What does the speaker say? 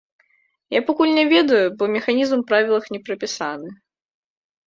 Я пакуль не ведаю, бо механізм у правілах не прапісаны.